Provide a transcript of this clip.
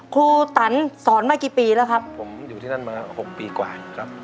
ครูตันสอนมากี่ปีแล้วครับผมอยู่ที่นั่นมา๖ปีกว่าอยู่ครับ